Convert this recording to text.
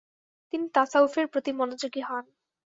তিনি তাসাউফের প্রতি মনোযোগী হন।